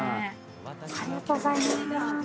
ありがとうございます。